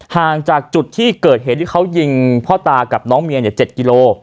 ห่างจากจุดที่เกิดเหตุที่เขายิงพ่อตากับน้องเมีย๗กิโล